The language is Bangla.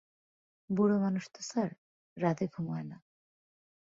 বুড়ো মানুষ তো স্যার, রাতে ঘুম হয় না।